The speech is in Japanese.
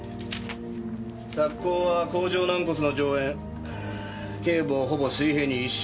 索溝は甲状軟骨の上縁頸部をほぼ水平に１周。